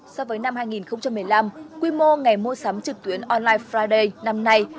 so với năm hai nghìn một mươi năm quy mô ngày mua sắm trực tuyến online friday năm nay